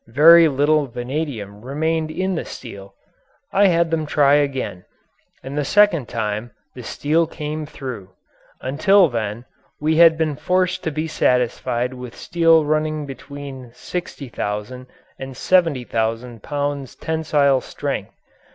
Very little vanadium remained in the steel. I had them try again, and the second time the steel came through. Until then we had been forced to be satisfied with steel running between 60,000 and 70,000 pounds tensile strength.